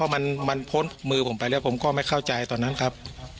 มันพ้นมือผมไปแล้วผมก็ไม่เข้าใจตอนนั้นครับ